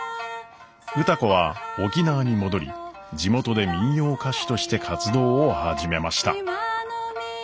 歌子は沖縄に戻り地元で民謡歌手として活動を始めました。